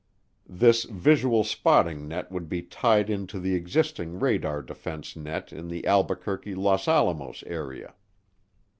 This visual spotting net would be tied into the existing radar defense net in the Albuquerque Los Alamos area.